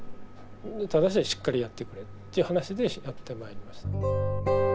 ただししっかりやってくれ」という話でやってまいりました。